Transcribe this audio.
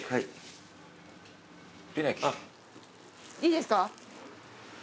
いいですか？